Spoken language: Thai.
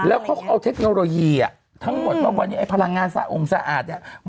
แล้วเค้าเอาเทคโนโลยีทั้งหมดมากกว่านี้ไอ้พลังงานสะอมสะอาด